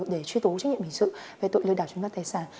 để truy tố trách nhiệm hình sự về tội lừa đảo chứng đoán tài sản